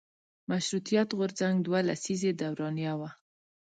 مشروطیت غورځنګ دوه لسیزې دورانیه وه.